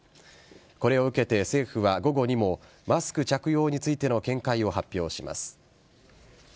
これを受けて、政府は午後にもマスク着用についての見解を発表します。